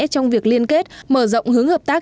trong việc liên kết mở rộng hướng hợp tác